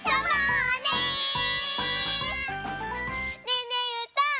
ねえねえうーたん。